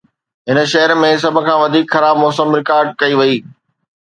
هن شهر ۾ سڀ کان وڌيڪ خراب موسم رڪارڊ ڪئي وئي